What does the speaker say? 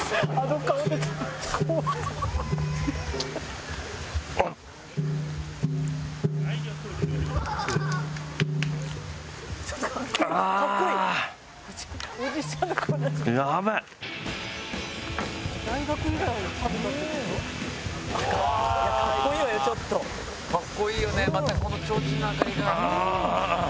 かっこいいよねまたこの提灯の明かりが。